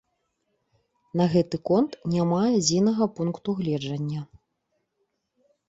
На гэты конт няма адзінага пункту гледжання.